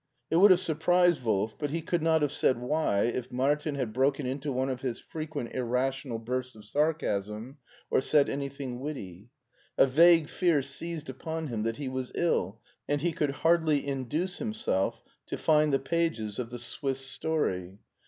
It would have surprised Wolf, but he could not have said why, if Martin had broken into one of his frequent irrational bursts of sarcasm, or said anything witty. A vague fear seized upon him that he was ill, and he could hardly induce himself to find the pages of the Swiss story.